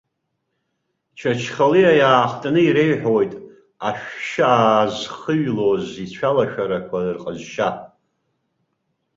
Чачхалиа иаахтны иреиҳәоит ашәшьы аазхыҩлоз ицәалашәарақәа рҟазшьа.